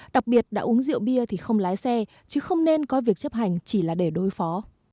đặc biệt đã uống rượu bia thì không lái xe chứ không nên có việc chấp hành chỉ là để đối phó